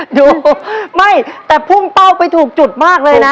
อยู่ไม่แต่พุ่งเป้าไปถูกจุดมากเลยนะ